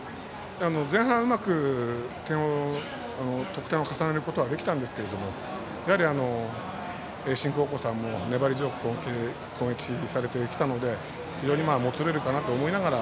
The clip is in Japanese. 前半うまく得点を重ねられましたが盈進高校さんも粘り強く攻撃されてきたので非常にもつれるかなと思いながら。